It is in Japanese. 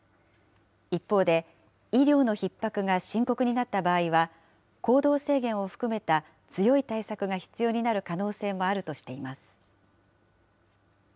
一方で、医療のひっ迫が深刻になった場合は、行動制限を含めた強い対策が必要になる可能性もあるとしています。